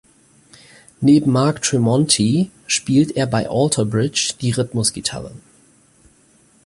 Neben Mark Tremonti spielt er bei Alter Bridge die Rhythmusgitarre.